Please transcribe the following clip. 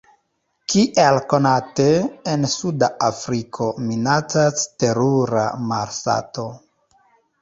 Kiel konate, en suda Afriko minacas terura malsato.